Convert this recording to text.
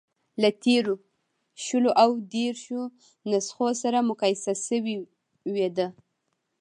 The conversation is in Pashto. له تېرو شلو او دېرشو نسخو سره مقایسه شوې ده.